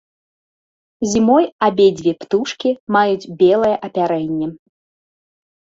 Зімой абедзве птушкі маюць белае апярэнне.